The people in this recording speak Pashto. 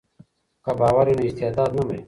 که باور وي نو استعداد نه مري.